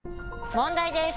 問題です！